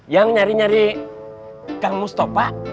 yang nyari nyari kang mustopah